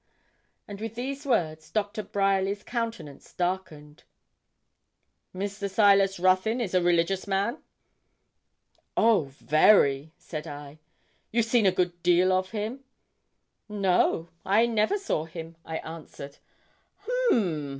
And with these words Doctor Bryerly's countenance darkened. 'Mr. Silas Ruthyn is a religious man?' 'Oh, very!' said I. 'You've seen a good deal of him?' 'No, I never saw him,' I answered.